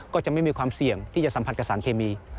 ก็จะไม่มีความเสี่ยงที่จะสัมผัสกับสารเคมี